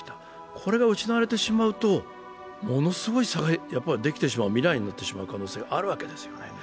これが失われてしまうとものすごい差が出てきてしまう未来になってしまう可能性があるわけですよね。